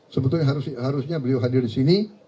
sebetulnya harusnya beliau hadir di sini